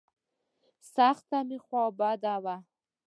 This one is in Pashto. سخته مې خوا بده وه.